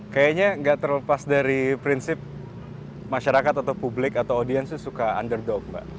kayaknya nggak terlepas dari prinsip masyarakat atau publik atau audiens itu suka underdog mbak